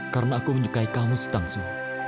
karena aku menyukai kamu si tangsu